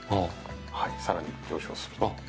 さらに上昇すると。